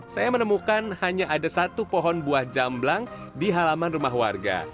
saya menemukan hanya ada satu pohon buah jamblang di halaman rumah warga